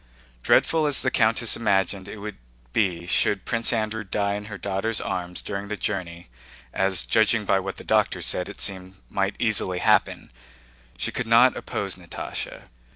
Dreadful as the countess imagined it would be should Prince Andrew die in her daughter's arms during the journey—as, judging by what the doctor said, it seemed might easily happen—she could not oppose Natásha.